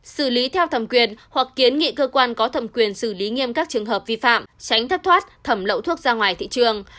xử lý theo thẩm quyền hoặc kiến nghị cơ quan có thẩm quyền xử lý nghiêm các trường hợp vi phạm tránh thất thoát thẩm lậu thuốc ra ngoài thị trường